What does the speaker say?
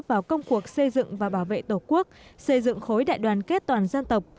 vào công cuộc xây dựng và bảo vệ tổ quốc xây dựng khối đại đoàn kết toàn dân tộc